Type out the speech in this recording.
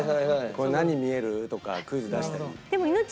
「これ何に見える？」とかクイズ出したり。